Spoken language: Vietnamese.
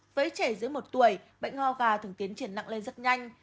với trẻ giữa một tuổi bệnh hò gà thường tiến triển nặng lên rất nhanh